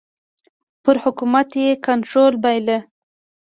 پر حکومت یې کنټرول بایله.